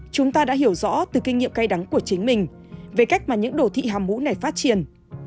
chúng ta đã hiểu rõ từ kinh nghiệm cay đắng của chính mình về cách mà những đồ thị hàm mũ này phát triển